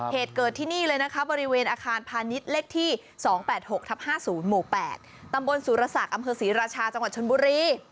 เหตุเกิดที่นี่เลยนะคะบริเวณอาคารพาณิชย์เลขที่๒๘๖ทับ๕๐หมู่๘ตำบลสุรศักดิ์อำเภอศรีราชาจังหวัดชนบุรี